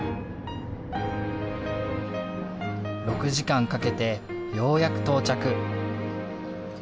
６時間かけてようやく到着。